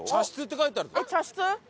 えっ茶室？